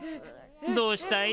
どうしたい？